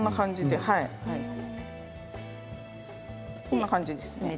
こんな感じですね。